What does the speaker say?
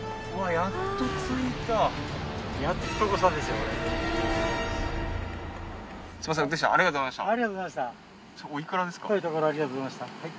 遠いところありがとうございました。